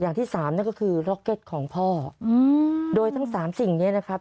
อย่างที่สามนั่นก็คือล็อกเก็ตของพ่ออืมโดยทั้งสามสิ่งนี้นะครับ